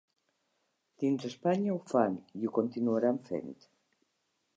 Dins Espanya ho fan, i ho continuaran fent.